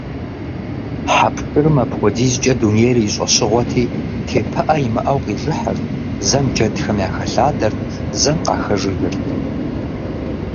Хьэпшырым апхуэдизкӏэ дунейр и щӏэщыгъуэти, тепыӏэ имыӏэу къижыхьырт, зэм джэдхэм яхэлъадэрт, зэм къахэжыжырт.